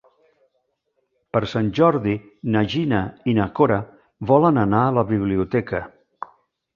Per Sant Jordi na Gina i na Cora volen anar a la biblioteca.